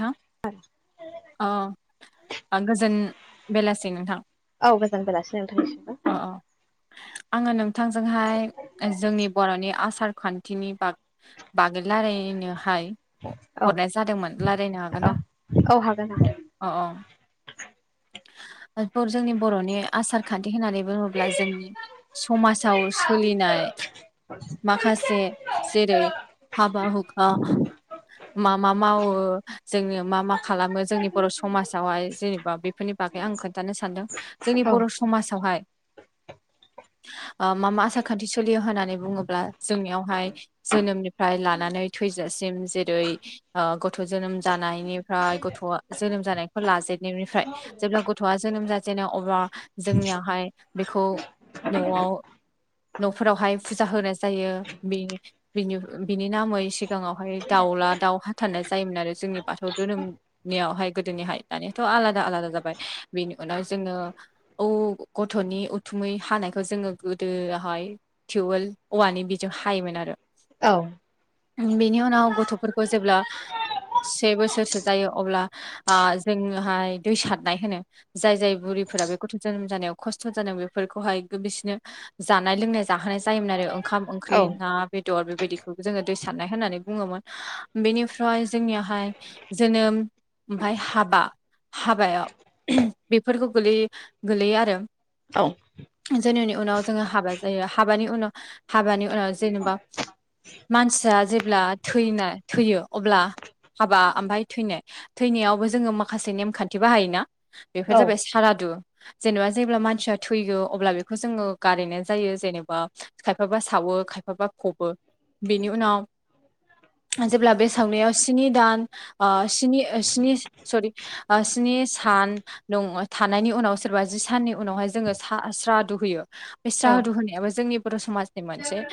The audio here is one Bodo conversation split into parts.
थां अ गोजोन बेलासि नोंथां औ गोजान बेलासि नोंथांनिसिमबो अ आङो नोंथांजोंहाय जोंनि बर'नि आसार खान्थिनि बागै बागै रालायनोहाय औ हरनाय जादोंमोन। रायज्लायनो हागोन औ ना औ हागोन हागोन अ अ। जोंनि बर'नि आसार खान्थि होननानै बुङोब्ला जोंनि समाजाव सोलिनाय माखासे जेरै हाबा हुखा मा मा मावो जोङो मा मा खालामो जोंनि बर' समाजावहाय जेनेबा बे बेफोरनि बागै आं खोन्थानो सानदों जोंनि बर' समाजावहाय मा मा आसार खान्थि सोलियो होननानै बुङोब्ला जोंनियावहाय जोनोमनिफ्राय लानानै थैजासिम जेरै गथ' जोनोम जानायनिफ्राय गथ' जोनोम जानायखौ लाजेननायनिफ्राय जेब्ला गथ'आ जोनोम जाजेनो अब्ला जोंनियाहाय बेखौ न'आव न'फोरावहाय फुजा होनाय जायो बे बिनि बिनि नामै सिगाङावहाय दाउला दाउ हाथारनाय जायोमोन आरो जोंनि बाथौ धोरोम नियावहाय गोदोनिहाय दानियाथ' आलादा आलादा जाबाय बेनि उनाव जोङो औ गथ'नि उथुमै हानायखौ जोङो गोदोहाय टिउबवेल औवानि बेजों हायोमोन आरो औ बेनि उनाव गथ'फोरखौ जेब्ला से बोसोरसो जायो अब्ला आ जोङोहाय दैसार नाय होनो जाय जाय बुरिफोरा बे गथ' जोनोम जानायाव खस्थ' जादों बेफोरखौहाय बिसिनो जानाय-लोंनाय जाहोनाय जायोमोन आरो ओंखाम औ ओंख्रि ना बेदर बेबायदिखौ जोङो दै सारनाय होननानै बुङोमोन बेनिफ्राय जोंनियाहाय जोनोम ओमफ्राय हाबा हाबायाव बेफोरखौ गोलैयो-गोलैयो आरो। औ जोनोमनि उनाव जोङो हाबा जायो हाबानि उनाव हाबानि उनाव जेनेबा मानसिया जेब्ला थैनाय थैयो अब्ला हाबा ओमफ्राय थैनाय थैनायावबो जोङो माखासे नेमखान्थिबाहायोना बेफोर औ जाबाय सारादु जेनेबा जेब्ला मानसिया थैयो अब्ला बेखौ जोङो गारैनाय जायो जेनेबा खायफाबा सावो खायफाबा फबो बेनि उनाव जेब्ला बे सावनायाव स्नि दान ओ स्नि ओ स्निनि सरि ओ स्निनि सान थानायनि उनाव सोरबा जि साननि उनावहाय जोङो ओ सारादु होयो बे औ सारादु होननायाबो जोंनि बर' समाजनि मोनसे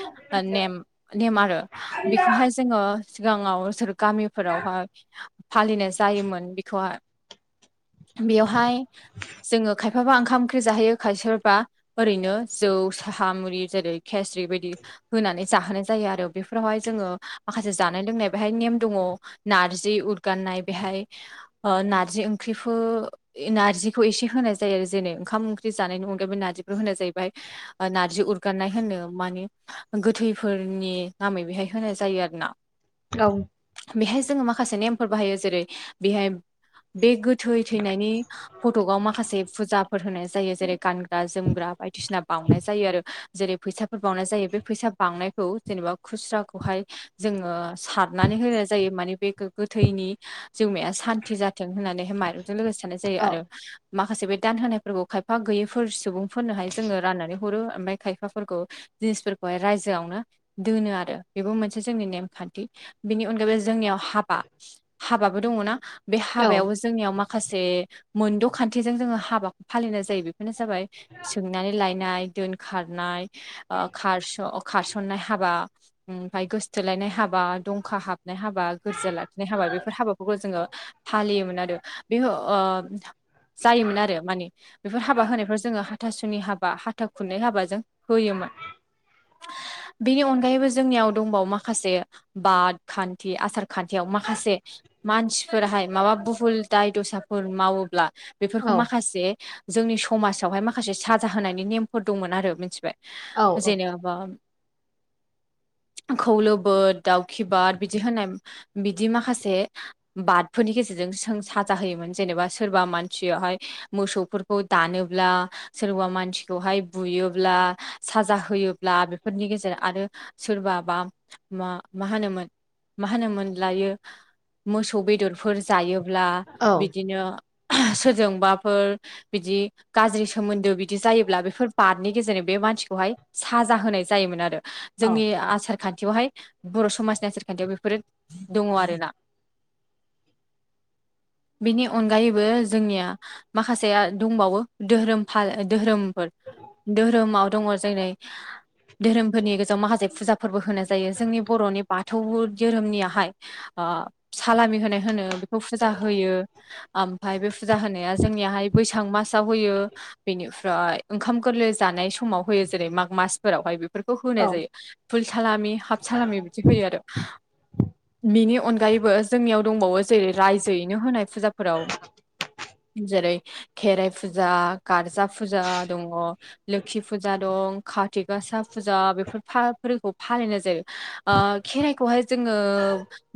नेम नेम आरो बेखौहाय जोङो सिगाङाव ओनसोल गामिफोरावहाय फालिनाय जायोमोन बेखौहाय बेवहाय जोङो खायफाबा ओंखाम-ओंख्रि जाहोयो खायसेबा ओरैनो जौ साहा मुरि जेरै खेसरि बायदि होनानै जाहोनाय जायो आरो बेफोरावहाय जोङो माखासे जानाय लोंनाय बेहाय नेम दङ नारजि अरगारनाय बेहाय ओ नारजि ओंख्रि खो बे नारजिखौ एसे होनाय जायो आरो जेननो ओंखाम ओंख्रि जानायनि अनगायैबो नारजिफोर होनाय जायो बेहाय ओ नार्जि अरगानाय होननो माने गोथैफोरनि नामै बेहाय होनाय जायो आरोना औ बेहाय जोङो माखासे नेमफोर बाहायो जेरै-बेहाय बे गोथै थैनायनि फटकआव माखासे फुजाफोर होनाय जायो जेरै गानग्रा जोमग्रा बायदिसिना बावनाय जायो आरो जेरै फैसाफोर बावनाय जायो बे फैसा बांवनायखौ जेनेबा खुस्राखौहाय जोङो सारनानै होनाय जायो माने बे गोथैनि जिउमाया सान्ति जाथों होननानैहाय माइरंजों लोगोसे सारनाय जायो औ आरो माखासे बे दान होनायफोरखौ खायफा गैयैफोर सुबुंफोरनोहाय जोङो राननानै हरो ओमफ्राय खायफाफोरखौ जिनिसफोरखौहाय रायजोआवनो दोनो आरो बेबो मोनसे जोंनि नेमखान्थि बेनि अनगायै जोंनियाव हाबा हाबाबो दङना बे हाबायावबो जोंनियाव माखा खासे मोनद' खान्थिजों जोङो हाबाखौ फालिनाय जायो बेफोरनो जाबाय सोंनानै लायनाय दोनखारनाय ओ खारस अ खारसननाय हाबा ओमफ्राय गोसथोलायनाय हाबा दंखा हाबनाय हाबा गोरजिया लाखिनाय हाबा बेफोर हाबाफोरखौ जोङो फालियोमोन आरो बे ओ जायोमोन आरो माने बेफोर हाबा होनायफोराव जोङो हाथासुनि हाबा हाथा खुनाय हाबाजों होयोमोन बेनि अनगायैबो जोंनियाव दंबावो माखासे बाद खान्थि आसार खान्थियाव माखासे मानसिफोराहाय माबा फुहुल दाय दसाफोर मावोब्ला बेफोरखौ माखासे जोंनि समाजावहाय माखासे साजा होनायनि नेमफोर दंमोन आरो मिनथिबाय औ जेनेबा खौलोबोद दाउखि बाद बिदि होननाय बिदि माखासे बादफोरनि गेजेरजों सों साथ जाहोयोमोन जेनेबा सोरबा मानसियाहाय मोसौफोरखौ दानोब्ला सोरबा मानसिखौहाय बुयोब्ला साजा होयोब्ला बेफोरनि गेजेर आरो सोरबाबा मा मा होनोमोन मा होनोमोनलायो? मोसौ बेदरफोर जायोब्ला बिदिनो सोरजोंबाफोर बिदि गाज्रि सोमोन्दो बिदि जायोब्ला बेफोर बादनि गेजेरजों बे मानसिखौहाय साजा होनाय जायोमोन आरो। जोंनि आसार खान्थियावहाय बर' समाजनि आसार खान्थियाव बेफोरो दङ आरोना बेनि अनगायैबो जोंनिया माखासेया दंबावो दोहोरोम फा दोहोरोमफोर दोहोरोमाव दङ जेरै दोहोरोमफोरनि गेजेराव माखासे फुजाफोरबो होनाय जायो जोंनि बर'नि बाथौ धोरोमनियाहाय ओ सालामि होनाय होनो बेखौ फुजा होयो‌ ओमफाय बे फुजा होनाया जोंनियाहाय बैसाग मासाव होयो बेनिफ्राय ओंखाम गोरलै जानाय समाव होयो जेरै माग मासफोरावहाय बेफोरखौ होनाय जायो फुल सालामि हाफ सालामि बिदि होयो आरो‌ बिनि अनगायैबो जोंनियाव दंबावो जेरै रायजोयैनो होनाय फुजाफोराव जेरै खेराइ फुजा गारजा फुजा दंङ। लोखि फुजा दं कार्ति गासा फुजा बेफोर फा फोरखौ फालिनाय जायो। ओ खेराइखौहाय जोंङो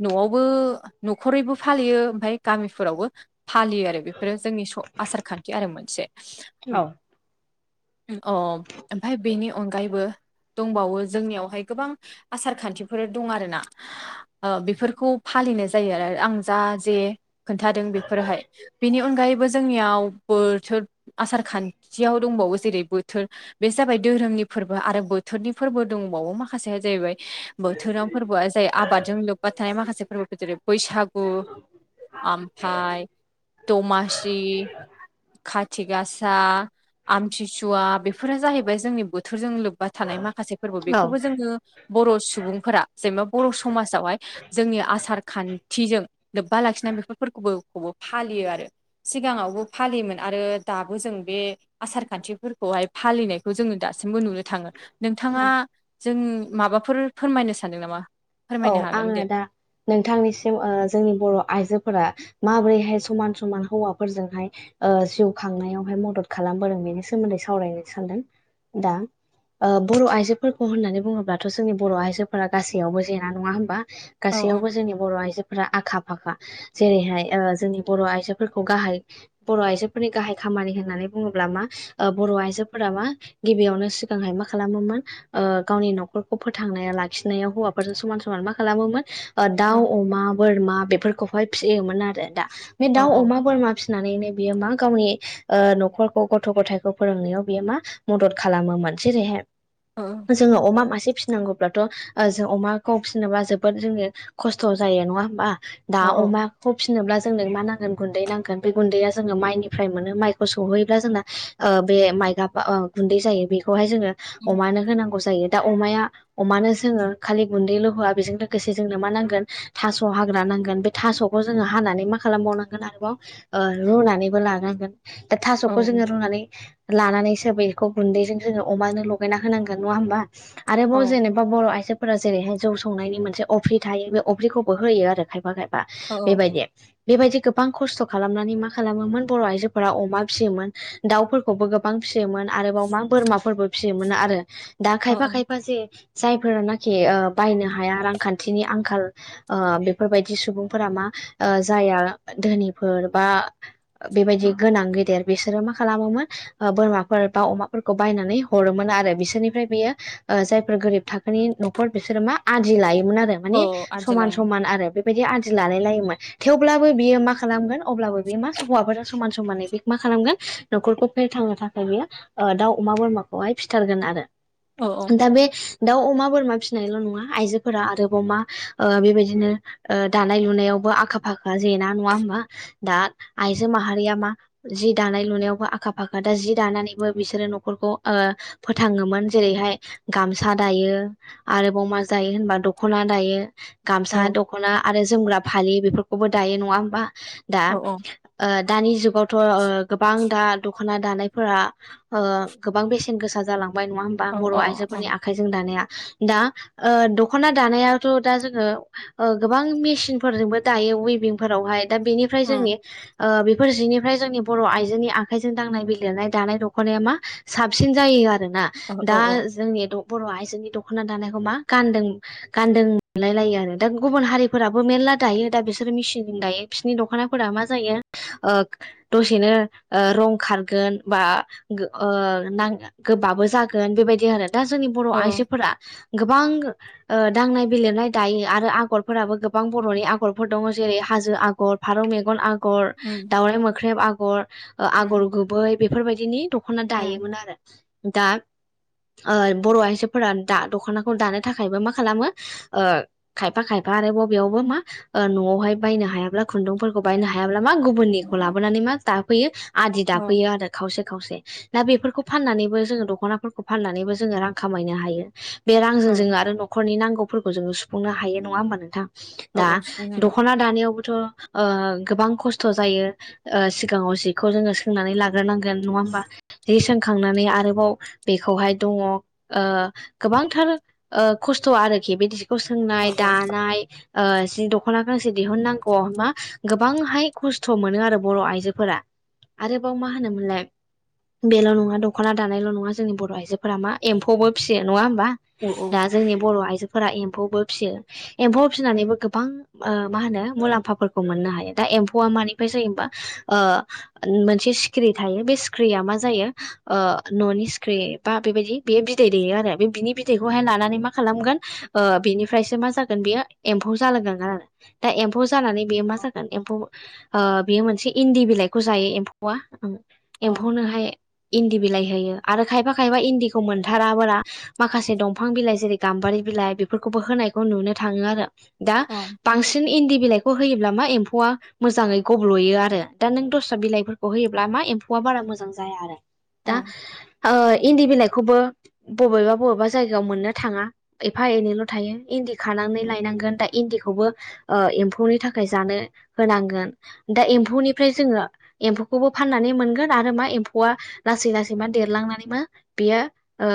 न'आवबो न'खरैबो फालियो ओमफाय गामि फोरावबो फालियो आरो बेफोरो स जोंनि आसार खान्थि आरो मोनसे। अ ओमफाय बेनि अनगायैबो दंबावो जोंनियावहाय गोबां आसार खान्थिफोर दं आरोना। ओ बेफोरखौ फालिनाय जायो आरो आं जा जे खोन्थादों बेफोरहाय बेनि अनगायैबो जोंनियाव बोथोर आसार खान्थियाव दंबावो जेरै बोथोर। बे जाबाय दोहोरोमनि फोरबो आरो बोथोरनि फोरबो दंबावो। माखासेया जाहैबाय बोथोराव फोरबोआ जायो आबादजों लोब्बा थानाय माखासे फोरफोर जेरै बैसागु ओमफाय दमासि खाथि गासा आमथिसुवा बेफोरा जाहैबाय जोंनि बोथोरजों लोब्बा थानाय माखासे फोरबो औ बेखौबो जोंङो। बर' सुबुंफोरा जेनेबा बर' समाजावहाय जोंनि आसार खान्थिजों लोब्बा लाखि ना बेफोरखौबोखौबो फालियो आरो सिगाङावबो फालियोमोन आरो दाबो जों बे आसार खान्थिफोरखौहाय फालिनायखौ जोङो दासिमबो नुनो थांङो नोंथांङा जों माबाफोर फोरमायनो सानदों नामा? औ फोरमायनो हागोन दे आंङो दा नोंथांनिसिम ओ जोंनि बर' आइजोफोरा माबोरैहाय समान समान हौवाफोरजोंहाय ओ जिउ खांनायावहाय मदद खालामबोदों बेनि सोमोन्दै सावरायनो सानदों। दा ओ बर' आइजोफोरखौ होननानै बुङोब्लाथ' जोंनि बर' आइजोफोरा गासैयावबो जेना नंङा होमबा औ गासैयावबो जोंनि बर' आइजो फोरा आखा फाखा जेरैहाय ओ जोंनि बर' आइजोफोरखौ गाहाय बर' आइजोफोरनि गाहाय खामानि होननानै बुंङोब्ला मा ओ बर' आइजोफोरा मा गिबियावनो सिगांहाय मा खालामोमोन। ओ गावनि न'खरखौ फोथांनाया लाखिनायाव हौवा फोरजों समान समान मा खालामोन औ दाउ अमा बोरमा बेफोरखौहाय फियोमोन आरो दा बे औ दाउ अमा बोरमा फि नानैनो बियो मा गावनि न'खरखौ गथ' गथायखौ फोरोंनायाव बियो मा मदद खालामोमोन जेरैहाय औ जोंङो अमा मासे फिनांगौब्लाथ' जों अमाखौ फिनोबा जोबोद जोङो खस्थ' जायो नङा होमबा? दा औ अमा खौ फिनोब्ला जोंनो मा नांगोन गुन्दै नांगोन बे गुन्दैया जोङो माइनिफ्राय मोनो माइखौ सौहैयोब्ला जोंना ओ बे माइ गाब गुन्दै जायो बेखौहाय जोङो अमानो होनांगौ जायो दा अमाया अमानो जोङो खालि गुन्दैल' होआ बेजों लोगोसे जोंनो मा नांगोन थास' हाग्रा नांगोन बे थास'खौ जोङो हानानै मा खालामबावनां गोन आरोबाव ओ रुनानैबो लानांगोन दा थास'खौ जोङो औ रुनानै लानानैसो बैखौ गुन्दैजों जोङो अमानो लगायना होनांगोन नङा होमबा आरोबाव जेनेब बा बर' आइजोफोरा जेरैहाय जौ संनायनि मोनसे अफ्रि थायो बे अफ्रिखौबो होयो आरो खायफा खायफ बा औ बेबायदि। बेबायदि गोबां खस्थ' खालामनानै मा खालामोमोन बर' आइजोफोरा अमा फियोमोन दाउफोर खौबो गोबां फियोमोन आरो बाव मा बोरमाफोरबो फियोमोन आरो दा औ खायफा औ खायफा जे जायफोरानाखि बायनो हाया रांखान्थिनि आंखाल ओ बेफोरबायदि सुबुंफोरा मा ओ जाया धोनिफोर बा बेबायदि गोनां गेदेर बिसोरो मा खालामोमोन ओ बोरमाफोर बा अमाफोरखौ खौ बायनानै हरोमोन आरो बिसोरनिफ्राय बियो ओ जायफोर गोरिब थाखोनि न खर बिसोरो मा आदि लायोमोन आरो औ माने समान आदिलाय समान आरो बे बादि आदि लालायलायोन थेवब्लाबो बियो मा खालामगोन अब्लाबो बेयो मा हौवाफोरजों समान समानै बे मा खालामगोन न'खरखौ फेथांनो थाखाय बियो ओ दाउ अमा बोरमाखौहाय फिथारगोन आरो। अ औ। दा बे दाउ अमा बोरमा फिनायल' नङा आइजोफोरा आरोबाव मा ओ बेबायदिनो ओ दानाय लुनायावबो आखा फाखा जेना नङा होमा दा आइजो माहारिया मा जि दानाय लुनायावबो आखा फाखा दा जि दानानैबो बिसोरो न'खरखौ ओ फोथाङोमोन जेरैहाय गामसा दायो आरोबाव मा जायो होनबा दख'ना दायो औ गामसा दख ख'ना आरो जोमग्रा फालि बेफोरखौबो दायो नङा होमबा दा औ ओ दानि जुगावथ' ओ गोबां दा दख'ना दानायफोरा ओ गोबां बेसेन गोसा जालांबाय नङा होमबा बर' औ आइजोफोरनि आखाइजों दानाया। दा ओ दख'ना दानायावथ' दा जोङो ओ गोबां मेसिनफोरजोंबो दायो उइभिंफोरावहाय दा बेनिफ्राय औ जोंनि ओ बे फोर जिनिफ्राय जोंनि बर' आइजोनि आखाइजों दांनाय बि लिरनाय दानाय दख'नाया मा साबसिन जायो आ‌रोना। औ दा जोंनि द बर' आइजोनि दख'ना दानायखौ मा गानदों गानदोंलाय लायो आरो दा गुबुन हारिफोराबो मेलला दायो दा बिसोरो मिसिनजों दायो। बिसनि दख'नाफोरा मा जायो ओ दसेनो ओ रं खारगोन बा गो ओ नां गोब्बाबो जागोन बेबायदि आरो दा जोंनि बर' औ आइजोफोरा गोबां ओ दांनाय बिलिरनाय दायो आरो आगरफोराबो गोबां बर'नि आगरफोर दङ जेरै हाजो आगर फारौ मेगन आगर उम दावराइ मोख्रेब आगर ओ आगर उम गुबै बेफोरबायदिनि दख ख'ना उम दायोमोन आरो दा ओ बर' आइजोफोरा दा दख'नाखौ दानो थाखायबो मा खालामो ओ खायफा खायफा आरो बबेयावबो मा ओ न'आवहाय बायनो हायाब्ला खुन्दुंफोरखौ बायनो हायाब्ला मा गुबुननिखौ लाबोनानै मा दाफैयो आदि औ दाफैयो आरो। खावसे खावसे दा बेफोरखौ फाननानैबो जोङो दख'नाफोरखौ फाननानैबो जोङो रां खामायनो हायो। बे औ रांजों जोङो आरो न'खरनि नांगौफोरखौ जोङो सुफुंनो हायो नङा होमबा नोंथां औ दा औ सिफुंजों दख'ना दानायावबोथ' ओ गोबां खस्थ' जायो। ओ सिगाङाव जिखौ जोङो सोंनानै लाग्रोनांगोन नङा होमबा? जि सोंखांनानै आरोबाव बेखौहाय दङ ओ गोबांथार ओ खस्थ' आरोखि बेदि सिखौ औ सोंनाय दानाय ओ जिनि दख'ना गांसे दिहुननांगौ मा गोबांहाय खस्थ' मोनो आरो बर' आइजोफोरा। आरोबाव मा होनोमोनलाय बेल' नङा दख'ना दानायल' नङा जोंनि बर' आइजोफोरा मा एम्फौबो फिसियो नङा होमबा? उम उम। दा जोंनि बर' आइजोफोरा एम्फौबो फियो एम्फौ फिनानैबो गोबां ओ मा होनो मुलाम्फाफोरखौ मोननो हायो दा एम्फौआ मानिफाय जायो होमबा ओ मोनसे सिख्रि थायो बे सिख्रिया मा जायो न'नि सिख्रि बा बेबायदि बेयो बिदै दैयो आरो। बे बिनि बिदैखौहाय लानानै मा खालामगोन ओ बिनिफ्रायसो मा जागोन बेयो एम्फौ जालांगोन आरो दा एम्फौ जानानै बेयो मा जागोन एम्फौ ओ बेयो मोनसे इन्दि बिलाइखौ जायो एम्फौवा औ एम्फौनोहाय इन्दि बिलाइ होयो आरो खायफा खायफा इन्दिखौ मोनथाराबोरा माखासे दंफां बिलाइ जेरै गाम्बारि बिलाइ बेफोरखौबो होनायखौ नुनो थाङो आरो दा औ बांसिन इन्दि बिलाइखौ होयोब्ला मा एम्फौआ मोजाङै गब्ल'यो आरो दा नों दस्रा बिलाइफोर खौ होयोब्ला मा एम्फौआ बारा मोजां जाया आरो। दा ओ इन्दि बिलाइखौबो बबेबा बआबा जायगायाव मोननो थाङा एफा एनैल' थायो इन्दि खानानै लायनांगोन दा इन्दिखौबो ओ एम्फौनि थाखाय जानो होनांगोन दा एम्फौनिफ्राय जोङो एम्फौखौबो फाननानै मोनगोन आरो मा एम्फौआ लासै लासै मा देरलांनानै मा बेयो ओ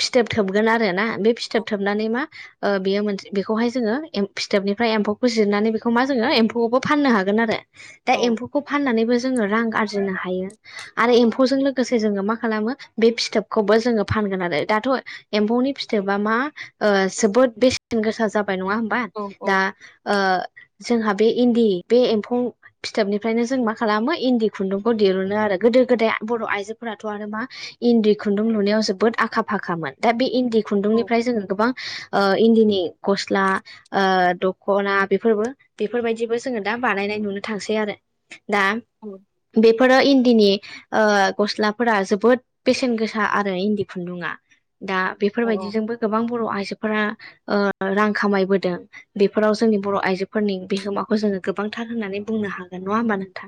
फिथोब थोबगोन आरो ना बे फिथोब थोबनानै मा ओ बेयो मोनसे बेखौहाय जोङो एम फिथोबनिफ्राय एम्फौखौ जिरनानै बेखौ मा जोङो एम्फौखौबो फाननो हागोन आरो दा एम्फौखौ फाननानैबो जोङो रां आरजिनो हायो। आरो एम्फौजों लोगोसे जोङो मा खालामो बे फिथोबखौबो जोङो फानगोन आरो दाथ' एम्फौनि फिथोबा मा जोबोद बेसेन गोसा जाबाय नङा होम बा दा ओ जोंहा बे इन्दि बे एम्फौ फिथोबनिफ्रायनो जों मा खालामो इन्दि खुन्दुंखौ दिरुनो आरो गोदो गोदाय बर' आइजोफोराथ' आरो मा इन्दि खुन्दुं लुनायाव जोबोद आखा फाखामोन। दा बे इन्दि खुन्दुंनिफ्राय जोङो गोबां ओ इन्दिनि गस्ला ओ दख'ना बेफोरबो बेफोरबायदिबो जोङो दा बानायनाय नुनो थांसै आरो दा औ। बेफोरो इन्दिनि ओ गस्लाफोरा जोबोद बेसेन गोसा आरो इन्दि खुन्दुङा। दा औ बेफोर बायदिजोंबो गोबां बर' आइजोफोरा ओ रां खामायबोदों। बेफोराव जोंनि बर' आइजोफोरनि बिहोमाखौ जोङो गोबांथार होननानै बुंनो हागोन नङा होमबा नोंथां।